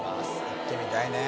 行ってみたいね